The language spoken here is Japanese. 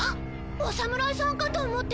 お侍さんかと思ってたわ。